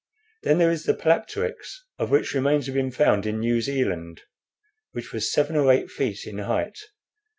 Then there is the Palapteryx, of which remains have been found in New Zealand, which was seven or eight feet in height.